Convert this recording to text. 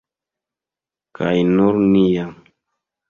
Kaj nur nia!